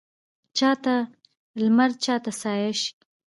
چا ته لمر چا ته سایه شي